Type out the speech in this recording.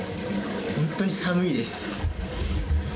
本当に寒いです。